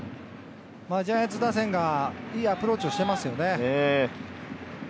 ジャイアンツ打線がいいアプローチをしてますよね。